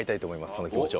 その気持ちを。